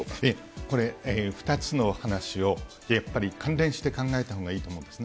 これ、２つの話をやっぱり関連して考えたほうがいいと思うんですね。